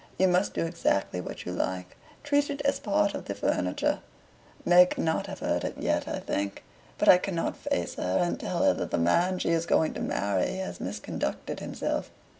You must do exactly what you like treat it as part of the furniture. Meg cannot have heard it yet, I think. But I cannot face her and tell her that the man she is going to marry has misconducted himself.